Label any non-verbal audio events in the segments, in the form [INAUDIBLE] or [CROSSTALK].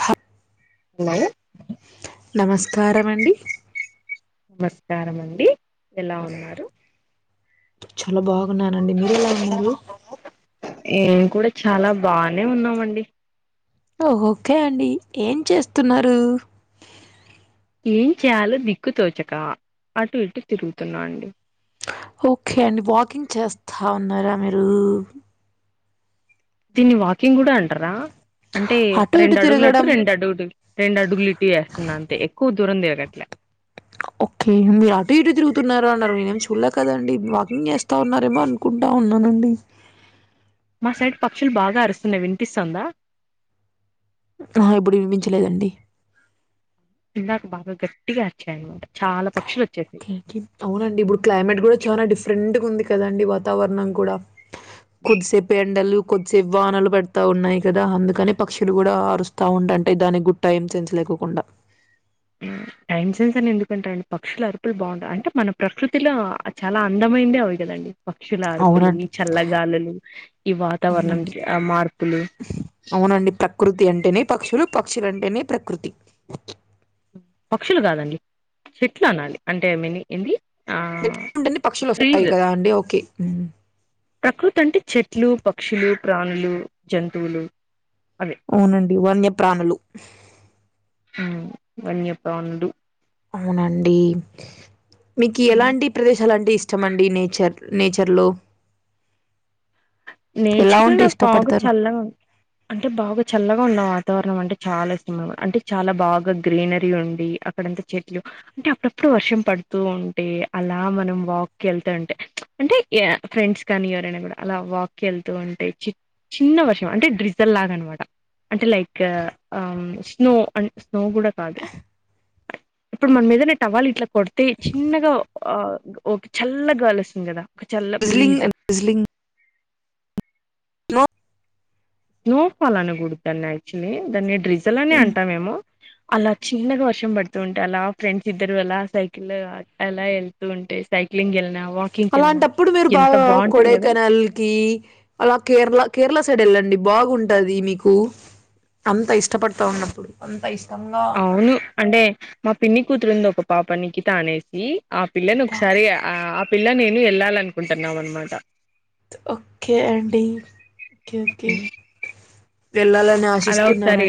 హా న నమస్కారము అండి. నమస్కారం అండి. ఎలా ఉన్నారు? చాలా బాగున్నానండి. మీరు ఎలా ఉన్నారు? మేం కూడా చాలా బానే ఉన్నామండి. ఓకే అండి, ఏం చేస్తున్నారు? ఏం చేయాలో దిక్కు తోచక అటు ఇటు తిరుగుతున్నా అండి. ఓకే అండి, వాకింగ్ చేస్తా ఉన్నారా మీరు? దీన్ని వాకింగ్ కుడా అంటరా? అంటే అటు ఇటు రెండు అడుగులు అటు తిరగడం రెండు అడుగులు ఇటు రెండు అడుగులు ఇటు ఏస్తున్నా అంతే ఎక్కువ దూరం దిరగట్లే. ఓకే అండి. అటు ఇటు తిరుగుతున్నా అన్నారు. నేనేమి చూడలే కదండి వాకింగ్ చేస్త వత్తా ఉన్నారేమో అనుకుంటా ఉన్నానండి. మా సైడ్ పక్షులు బాగా అరుస్తున్నయి వినిపిస్తుందా. ఆహా ఇప్పుడు వినిపించలేదండి. ఇందాక బాగా గట్టిగా అరిచాన్మాట చాలా పక్షులు వచ్చాయి. ఓకే అవునండి ఇప్పుడు క్లైమేట్ కూడా చానా డిఫరెంట్గా ఉంది కదండి వాతావరణం కూడా. కొద్దిసేపు ఎండలు కొద్దిసేపు వానలు పడతా ఉన్నాయి కదా అందుకనే పక్షులు కూడా అరుస్తా ఉంటాంటే దానికి గు టైం సెన్స్ లేకోకుండా. టైం సెన్స్ అని ఎందుకంటారు అండి, పక్షుల అరుపులు బావుంటాయి అంటే మన ప్రకృతిలో చాలా అందమైందే అవి కదండి. పక్షుల అరుపులు, ఈ అవునండి చల్లగాలులు, ఈ అవునండి వాతావరణంకి ఆ మార్పులు అవునండి ప్రకృతి అంటేనే పక్షులు, పక్షులంటేనే ప్రకృతి. పక్షులు కాదండి, చెట్లు అనాలి అంటే ఏమైంది, ఏంది. ఆ చెట్లు ఉంటనే పక్షులు వస్తాయి ట్రీస్ కదా అండి ఓకే. ప్రకృతి అంటే చెట్లు, పక్షులు, ప్రాణులు, జంతువులు అవే. అవునండి వన్యప్రాణులు. ఆ వన్యప్రాణులు. అవునండి, మీకి ఎలాంటి ప్రదేశాలంటే ఇష్టం అండి నేచర్ నేచర్లో ఎలా నేచర్లో ఉంటే నాకు బాగా ఇష్టపడతారు చల్లగా అంటే బాగా చల్లగా ఉన్న వాతావరణం అంటే చాలా ఇష్టం [INAUDIBLE] అంటే చాలా బాగా గ్రీనరీ ఉండి అ అక్కడంతా చెట్లు అంటే అప్పుడప్పుడు వర్షం పడుతూ ఉంటే, అలా మనం వాక్ కి ఎళ్తూంటే అంటే యా ఫ్రెండ్స్ కానీ ఎవరైనా కూడా అలా వాక్ కెళ్తూ ఉంటే చి చిన్న వర్షం అంటే డ్రిజల్ లాగా అన్మాట. అంటే లైక్ ఆ స్నో ఆ స్నో కూడా కాదు. ఇప్పుడు మనం ఏదన్నా టవాల్ ఇట్లా కొడితే చిన్నగా ఆ ఓకే చల్లగా గాలస్తుంది కదా. ఒక చల్ల డ్రిసిలింగ్ బ్రీజ్ అం డ్రిసిలింగ్ స్నోఫాల్ అనగూడదు దాన్ని యాక్చువల్లీ దాన్నీ డ్రిసల్ అనే హ్మ్. అంటామేమో అలా చిన్నగా వర్షం పడు తుంటే అలా ఫ్రెండ్స్ ఇద్దరు అలా సైకిల్ అలా ఎళ్తూ ఉంటే సైక్లింగ్ ఎళ్ళినా, వా అలాంటప్పుడు మీరు బాగా కొడైకెనాల్ కి అలా కేరళా కేరళా సైడ్ ఎళ్ళండి బాగుంటది మీకు. అంతా ఇష్టపడతా ఉన్నప్పుడు. అంత ఇష్టంగా అవును అంటే మా పిన్ని కూతురుంది ఒక పాప నిఖితా అనేసి ఆ పిల్లని బా ఒకసారి ఆ పిల్లా, నేను ఎళ్ళాలనుకుంటున్నాం అన్మాట. ఓకే అండి. ఓకే, ఓకే వెళ్ళాలని ఆ అలా ఒకసారి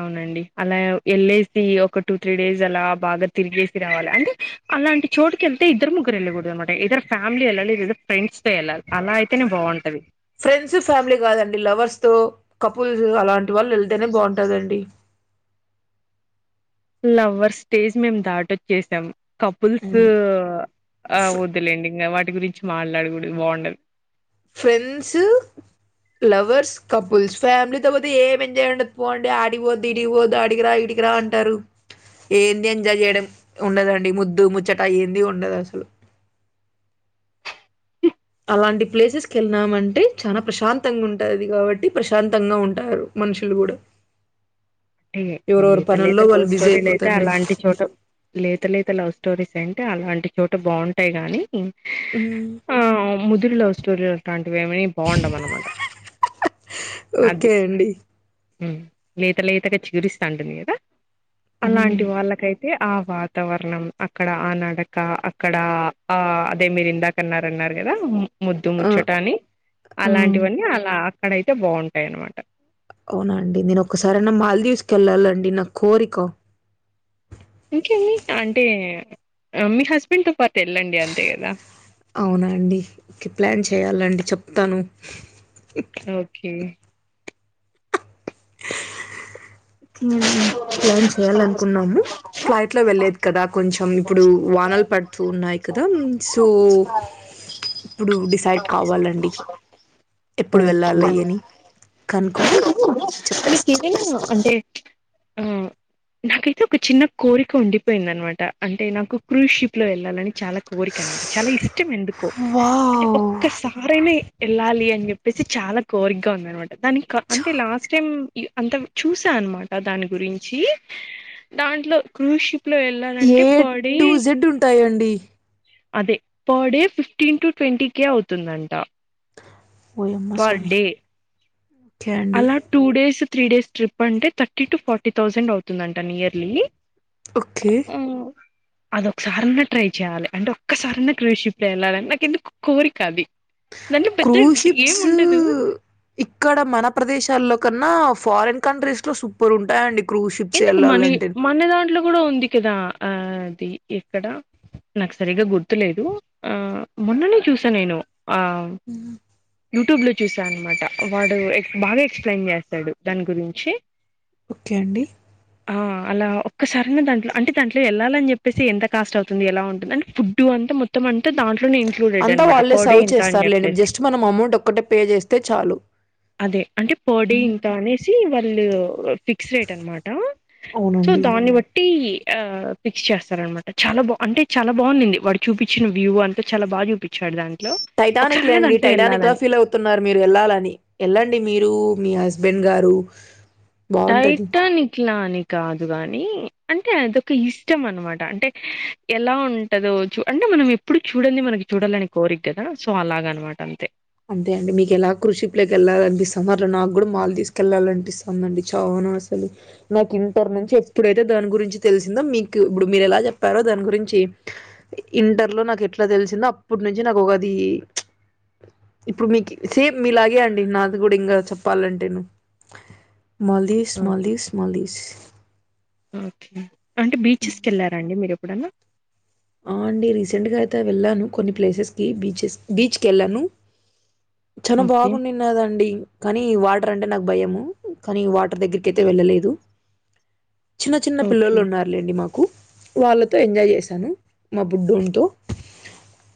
అవునండి అలా ఎళ్ళేసి ఒక టూ త్రీ డేస్ అలా బాగా తిరిగేసి రావాలి అంటే అలాంటి చోటుకి ఎళ్తే ఇద్దరు ముగ్గురు ఎళ్ళకూడదు అన్మాట, ఇయిదర్ ఫ్యామిలీ ఎళ్ళాలి లేదా ఫ్రెండ్స్ తో ఎళ్ళాలి. అలా అయితేనే బావుంటది. ఫ్రెండ్స్, ఫ్యామిలీ కాదండి. లవర్స్ తో, కపుల్స్ అలాంటి వాళ్ళు ఎళ్తేనే బావుంటదండి. లవ్వర్ స్టేజ్ మేము దాటొచ్చేసాం కపుల్స్ ఉమ్. ఆ ఫ్- వద్దులేండి ఇంక వాటి గురించి మాట్లాడ కూడదు బాగుండ [UNINTELLIGIBLE] ఫ్రెండ్సు [UNINTELLIGIBLE] కపుల్స్ ఫ్యామిలీతో పోతే ఏం ఎంజాయ్ ఉండదు పోండి ఆడిపోద్దు ఇడిపోద్దు ఆడిగి [UNINTELLIGIBLE] [UNINTELLIGIBLE] అంటారు ఏంది ఎంజాయ్ చేయడం ఉండదండి ముద్దు ముచ్చట ఏంది ఉండదు అసలు అలాంటి ప్లేసెస్కి వెళ్ళినామంటే చాలా ప్రశాంతంగా ఉంటుంది కాబట్టి ప్రశాంతంగ ఉంటారు మనుషులు కూడ [UNINTELLIGIBLE] లవ్ స్టోరీలు అయితే అయిపోతారండి అలాంటి చోట లేత లేత లవ్ స్టోరీస్ అంటే అలాంటి చోట బాగుంటాయ్ గానీ ఉ ఆ ముదురి లవ్ స్టోరీ అలాంటి [UNINTELLIGIBLE] పోండ మనమాట అది ఓకే అండి లేత లేతగ చిగురిస్తటుంది కదా హ్మ్ అలాంటి వాళ్ళకై ఆ వాతావరణం అక్కడ ఆ నడక అక్కడ ఆ అదే మీరిందా [UNINTELLIGIBLE] [UNINTELLIGIBLE] కదా ముద్దు ఆ ముచ్చటని ఆ అలాంటివన్నీ అలా అక్కడైతే బాగుంటాయన్నమాట అవున అండి నేను ఒకసారైన మాల్దీవ్స్ కి వెళ్ళాలండి నా కోరిక ఇంకేంది అంటే మీ హస్బెండ్ తో పాటి ఎళ్ళండి అంతే కదా అవునండి ఓకే ప్లాన్ చేయాలండి చెప్తను ఒకే [UNINTELLIGIBLE] ప్లాన్ చేయాలి అనుకున్నాము ఫ్లైట్ లో వెళ్లేది కదా కొంచెం ఇప్పుడు వానలు పడుతూ ఉన్నాయి క సో ఇప్పుడు డిసైడ్ కావలండి ఎప్పుడు వెళ్ళాలి ఓకే అయ్యని కనుక్కొని మీకు చెప్పేస్తా ఏమైన అంటే ఉ అయితే ఒక చిన్న కోరిక ఉండిపోయిందనమాట అంటే నాకు క్రూజ్ షిప్ లో వెళ్ళాలని చాలా కోరిక అనమాట చాల ఇష్టం ఎందుకో అంటే వావ్ ఒక్క స [UNINTELLIGIBLE] వెళ్ళాలి అని చెప్పేసి చాలా కోరికగా ఉందినమాట దానికి అంటే లాస్ట్ టైం అంత చూస అన్నమాట దాని గురించి దాంట్లో కృషి [UNINTELLIGIBLE] వెళ్ళాలంటే పొడి రిడ్డు ఉంటాయండి అదే per day fifteen to twenty K అవుతుందంట ఓయమ్మ పర్ స్వామి డే ఒకే అండి అలా two days three days trip అంటే థర్టీ టు ఫార్టీ థౌజండ్ అవుతుందంట నియర్లీ ఒకే అదొకసారన్న ట్రై చేయ్యాలి అంటే ఒక్కసారినా క్రూ షిప్ వెళ్ళాలిని నాకు ఎందుకో కోరిక అది దాంట్లో పెద్ద ఏం క్రూషిప్స్ ఉండదు ఇక్కడ మన ప్రదేశాల్లో కన్న ఫారన్ కంట్రీస్ లో సూపర్ ఉంటాయండి ఎందుకు మనీ మన దాంట్లో కూడ ఉంది కదా ఆ అది ఎక్కడ నాకు సరిగ గుర్తులేదు ఆ మొన్ననే చూసా నేను ఆ ఉ యూట్యూబ్ లో చూస అన్నమాట వాడు బాగా ఎక్స్ప్లెయిన్ చేస్తాడు దాని గురించి ఒకే అండి ఆ అలా ఒకసారన్న దాంట్లో అంటే దాంట్లో వెళ్ళాలని చెప్పేసి ఎంత కాస్ట్ అవుతుంది ఎలా ఉంటుంది అంటే ఫుడ్డు అంతా మొ మొత్తం అంత దాంట్లోనే ఇంక్లూడెడ్ అంతా అనమాట వాళ్ళే పర్ డే సర్వ్ ఇంత అని చేస్తారులేండి. చెప్పేసి జస్ట్ మనం అమౌంట్ ఒక్కటే పే చేస్తే చాలు. అదే అంటే పొడి హ్మ్. ఇంత అనేసి వాళ్లు పిక్స్ రేట్ అనమాట సో అవునండి. దాన్నిబట్టి ఆ ఫిక్స్ చేస్తారన్నమాట చాలా బా అంటే చాలా బాగా ఉండింది వాడు చూపించిన వ్యూ అంతా చాలా బాగా చూపించాడు దానికి టైటానిక్ లే అండి టైటానిక్ తో ఫీల్ అవు తున్నారు మీరు వెళ్లాలని ఎల్లండి మీరు మీ హస్బెండ్ గారు బావుంటది. టైటానిక్ లా అని కాదు కాని అంటే అదొక్క ఇష్టం అనమాట అంటే ఎలా ఉంటందో చూ అంటే మనం ఇ ఏప్పుడు చూడంది మనకి చూడాలని కోరిక కదా సో అలాగ అనమాట అంతే అంతే అండి మీకు ఎలా కృషి ప్లేట్ కి వెళ్లాలనిపిస్తోందో అట్లా నాకు కూడా మాల్ తీసుకెళ్లాలనిపిస్తోందండి చానా అసలు నాకు ఇంటర్ హ్మ్ నుంచి ఎప్పుడైతే దాని గురించి తెలిసిందో మీకు ఇప్పుడు మీరు ఎలా చెప్పారు దాని గురించి ఇంటర్లో నాకు ఎట్లా తెలిసిందో అప్పటినుంచి నాకు ఒకది ఇప్పుడు మీకి సేమ్ మీలాగే అండి నాది కూడా ఇంగా చెప్పాలంటేను మాల్దీస్ ఓకే మాల్దీస్ మాల్దీస్ ఓకే అంటే బీచెస్ కి వెళ్లారండి మీరు ఎప్పుడైనా ఆ అండి రీసెంట్ గా అయితే వెళ్ళాను కొన్ని ప్లేసెస్ కి బీచెస్ బీచ్ కి వెళ్ళను చాలా ఓకే బాగుంది ఉన్నదండి కానీ వాటర్ అంటే నాకు భయము కానీ వాటర్ దగ్గర కైతే వెళ్లలేదు చిన్న చిన్న ఓకే పిల్లోళ్ళు ఉన్నారు లేండి వాళ్లతో ఎంజాయ్ చేశాను మా బుడంతో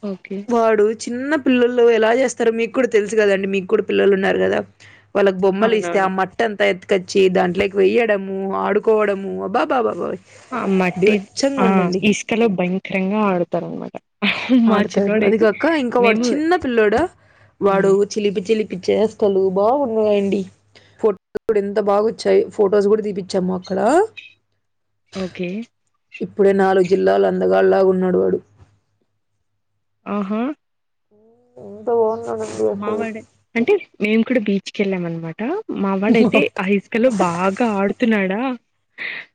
ఓకే వాడు చిన్న పిల్లల్లో ఎలా చేస్తారు మీకు కూడా తెలుసు కదండీ మీకు కూడా పిల్లలు ఉన్నారు కదా వాళ్లకి బొమ్మలు ఇస్తే ఆ అవునవును మ మట్టంతా అంతా ఎత్తుకొచ్చి దాంట్లోకి పోయడము ఆడుకోవడము అబ్బా బాబా ఆ మట్టి ఆ ఇసుకలో భయంకరంగా ఆడుతారు అనమాట ఆడతారు అదిగాక ఇంకా వాడు చిన్నపిల్లోడా వాడు హ్మ్ చిలిపి చిలిపి చేష్టలు బాగున్నాయండి ఫో ఎంత బాగా వచ్చాయి ఫొటోస్ కూడా తీపిచ్చాము అక్కడ ఓకే ఇప్పుడే నాలుగు జిల్లాల అందగాడు లాగా ఉన్నాడు వాడు ఆహా అంతా బాగున్నాడా మా వాడే అంటే మేము కూడా బీచ్ కి వెళ్ళామనమాట మా వాడు అయితే అస్ క్కలో బాగా ఆడుతున్నాడా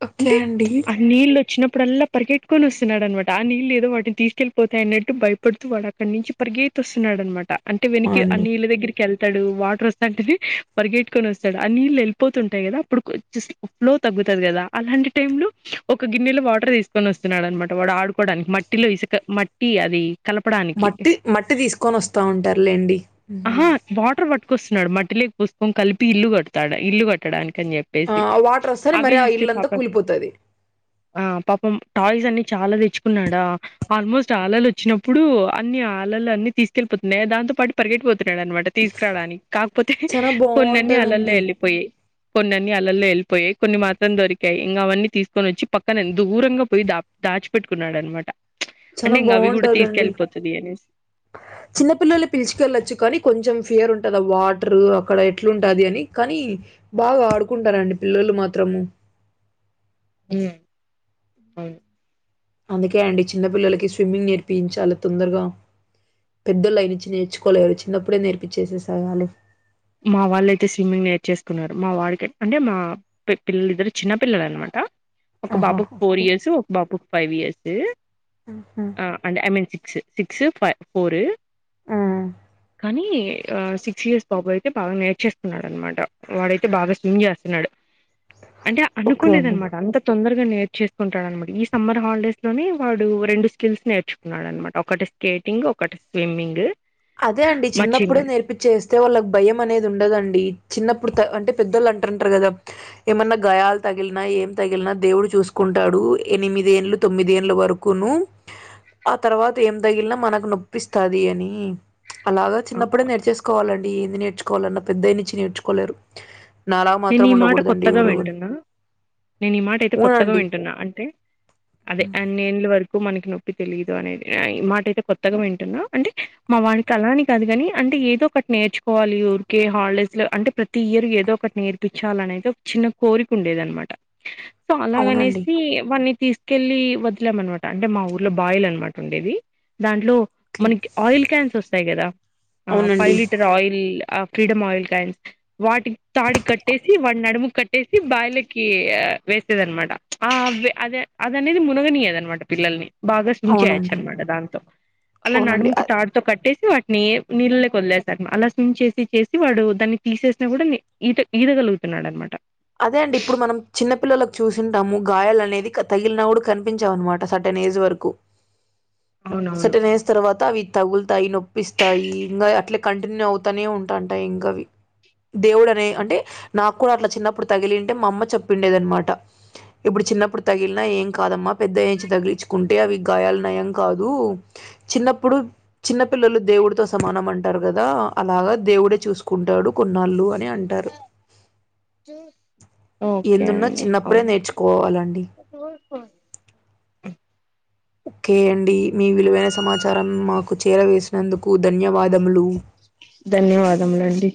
ఓకే అంటే అండి మీచ్ ఆ నీళ్లు వచ్చినప్పుడు అల్లా పరిగెత్తుకుని వస్తున్నాడన్నమా ఆ నీళ్లు ఏదో వాటిని తీసుకొని పోతాయి అన్నట్టు భయపడుతూ వాడు అక్కడ నుంచి పరిగెత్తి వస్తున్నాడన్నమా అనమాట అంటే వెననికి ఆ అవునండి, నీళ్లు దగ్గరికి కెళ్తాడు వాటర్ వస్తా అంటేనే పరిగెట్టుకొని వస్తాడు ఆ నీళ్లు వెళ్ళిపోతుంటాయి కదా అప్పుడు కొద్దిసేపు తగ్గుతాది కదా అలాంటి టైమ్ లో ఒక గిన్నెలో వాటర్ తీసుకొని వస్ స్తున్నాడనమాట వాడు ఆడుకోవడానికి మట్టిలో ఇసుక మట్టి అది కలపడానికి మట్టి మట్టి తీసుకొని వస్తా అంటారులెండి ఉ ఆహా వాటర్ పట్టుకొస్తున్నాడు మట్టిలోకి పోసుకొని కలిపి ఇల్లు కడతాడ ఇల్లు కట్టడానికి అని చె ఆ చెప్పేసి వాటర్ వస్తానే అవి మరి ఆ చూస్తే ఇల్లంతా పాపం కూలిపోతది ఆ పాపం టాయ్స్ అన్ని చాలా తెచ్చుకున్నాడా ఆల్మోస్ట్ అలలు వచ్చినప్పుడు అన్ని అలలు అన్ని తీసుకెళ్లిపోతున్నాయా దాంతో పాటి పరిగెత్తిపోతున్నాడు అనమాట తీసుకురావడానికి కాకపోతే చానా కొన్ని అన్ని అలల్లో బాగుంటదండి వెళ్లిపోయాయి కొన్నని అలల్లో వెళ్ళిపోయాయి కొన్ని మాత్రం దొరికాయి ఇంకా అవన్నీ తీసుకొని వచ్చి పక్కన దూరంగా పోయి దా దాచిపెట్టుకున్నాడు అన్నమాట అంటే చానా ఇంకా అవి కూడా బాగుంటదండి తీసుకెళ్ళిపోతాది అనేసి [INAUDIBLE] చిన్నపిల్లల్ని పిలుచుకెళ్ళచ్చు కానీ కొంచం ఫియర్ ఉంటాది ఆ వాటర్ అక్కడ ఎట్లుంటాది అని కానీ బాగా ఆడుకుంటారండి పిల్లలు మాత్రము ఉ ఆ అందుకే అండి చిన్న పిల్లలకి స్విమ్మింగ్ నేర్పించాలి తొందరగా పెద్దోళ్ళు అని అవును నేర్చుకోలేరు చిన్నప్పుడే నేర్పించేసేసయాలి మా వాళ్ళైతే స్విమ్మింగ్ నేర్చేసుకున్నారు మా వాడికి అంటే మా ట్టిల్లు ఇద్దరు చిన్న పిల్లలు అన్నమాట ఒక ఆహా బాబుకు ఫోర్ ఓకే ఇయర్స్ ఒక బాబుకు ఫైవ్ ఇయర్సు ఉహ ఆ అంటే ఐ మీన్ సిక్స్ సిక్స్ ఫ్ ఫోర్ ఆ ఇ ఆ సిక్స్ ఇర్స్ బాబు అయితే బాగా నేర్చేస్తున్నాడు అన్నమాట వాడైతే బాగా స్విమ్ చేస్తున్నాడు అంటే ఓకే అనుకోలేద అండి అన్నమాట అంత తొందరగా నేర్చేసుకుంటాడన్నమాట ఈ సమ్మర్ హాలిడేస్ లోనే వాడు రెండు స్కిల్స్ నేర్చుకున్నాడున్నమాట ఒకటి స్కేటింగ్ ఒకటి స్విమ్మింగ్ అదే అండి మా చిన్నప్పుడే చిన్నోడు నేర్ప ర్పించేస్తే వాళ్ళకి భయం అనేది ఉండదండి చిన్నప్పుడు త అంటే పెద్దోళ్ళు అంటుంటారు కదా ఏమన్నా గాయాలు తగిలినా ఏం తగిలినా దేవుడు చూసుకుంటాడు ఎనిమిద ఏళ్లు తొమ్మిది ఏళ్ల వరకు కును ఆ తర్వాత ఏం తగిలిన మనకు నొప్పిస్తాది అని అలాగా చిన్నప్పుడే ఆ! నేర్చేసుకోవాలండి ఏంది నేర్చుకోవాలన్నా పెద్దయి ను ఇంచి నేర్చుకోలేరు నాలా నేను మాత్రం ఈ మాట ఉండకూడదండి కొత్తగా ఎవరు కూడా. వింటున్నా నేను ఈ మాట ఇటు కొత్తగా అవునండి వింటున్నా అంటే అదే అన్నిళ్ల వరకు మనకి నొప్పి తెలియదు అనేది ఈ మాటైతే కొత్తగా వింటున్నా అంటే మా వానికి అలాని కాదు కాని అంటే ఏదో ఒకటి నేర్చుకోవాలి ఊరికే హాలిడేస్ లో అంటే ప్రతి ఇయర్ ఏదో ఒకటి నేర్చ ర్పించాలనైతే ఒక చిన్న కోరిక ఉండేది అన్నమాట సో అవునండి అలాగనేసి వాన్ని తీ కెళ్ళి వదిలేంన్నమాట అంటే మా ఊర్లో బాయిల్ అన్నమాట ఉండేవి దాంట్లో ఓకే మనకి ఆయిల్ క్యాన్స్ ఆస్తాయి కదా ఆ ఫై అవునండి లీటర్ ఆయిల్ ఫ్రీడమ్ ఆయిల్ కైన్స్ వాటి తాడి కట్ కట్టేసి వాడి నడుముకు కట్టేసి బైలకి వేసేది అన్నమాట ఆ అదే అదనేది మునగనీయాది అన్నమాట పిల్లల్ని బాగా స్విమ్ చేయొచ్చు అవునండి అన్నమాట దాంతో అలా అవునండి నడుముకి తాడుతో కట్టేసి వాటిని నీళ్ళలకి వదిలేసాము అలా స్విమ్ చేసి చేసి వాడు దాన్ని తీసేసినా కూడా ఈత ఈదగలుగుతున్నాడు అన్నమాట అదే అండి ఇప్పుడు మనం చిన్న పిల్లలకు చూసుంటాం గాయలునేది తగిలిన కూడా కనిపించావు అన్నమాట స సర్టెన్ ఏజ్ వరకు అవునవును సర్టెన్ ఏజ్ తర్వాత అవి తగులుతాయి నొప్పిస్తాయి ఇంకా అట్లా కంటిన్యూ అవుతానే ఉంటాంట ఇంకావి దేవుడు అనే అంటే నాకు కూడా అట్లా చిన్నప్పుడు తగిలింటే మా అమ్మ చెప్పిండేదన్నమాట ఇప్పుడు చిన్నప్పుడు తగిలిన ఏం కాదమ్మా పెద్దయంచి తగిలిచుకుంటే అవి గాయాల నయం కాదు చిన్నప్పుడు చిన్న పిల్లలు దేవుడితో సమానం అంటారు కదా అలాగా దేవుడే చూసుకుంటాడు కొన్నాళ్ళు అని అంట టారు ఓకే ఎందున్నా అండి చిన్నప్పుడే అవును నేర్చుకోవాలండి. ఓకే అండి మీ విలువైన సమాచారం మాకు చేరవేసినందుకు ధన్యవాదములు ధన్యవాదములండి